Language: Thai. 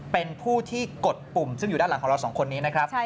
เป็นผู้ที่กดปุ่มซึ่งอยู่ด้านหลังของเราสองคนนี้นะครับ